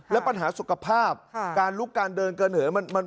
และปัญหาสุขภาพการลุกการเดินเกินเหิน